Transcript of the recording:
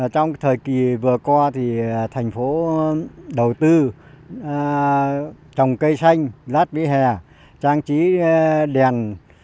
trong thời kỳ vừa qua thành phố đầu tư trồng cây xanh lát vỉa hè trang trí đèn